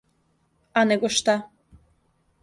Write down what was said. А него шта?